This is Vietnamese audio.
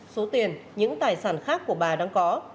số tiền những tài sản khác của bà đang có